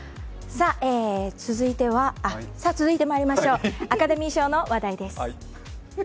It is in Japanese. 続いてまいりましょうアカデミー賞の話題です。